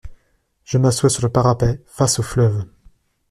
Je m’assois sur le parapet, face au fleuve.